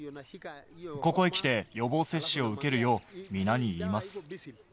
ここへ来て、予防接種を受けるよう、皆に言います。